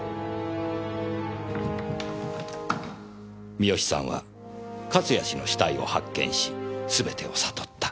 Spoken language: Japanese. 三好さんは勝谷氏の死体を発見しすべてを悟った。